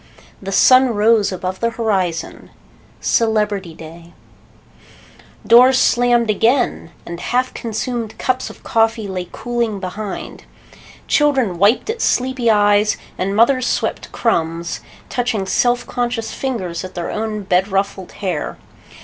The sun rose above the horizon. Celebrity day. Doors slammed again, and half consumed cups of coffee lay cooling behind. Children wiped at sleepy eyes and mothers swept crumbs, touching self conscious fingers at their own bed ruffled hair.